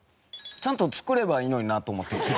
ちゃんと作ればいいのになと思って。